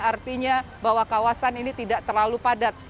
artinya bahwa kawasan ini tidak terlalu padat